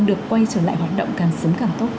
được quay trở lại hoạt động càng sớm càng tốt